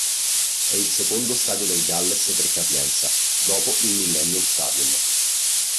È il secondo stadio del Galles per capienza, dopo il Millennium Stadium.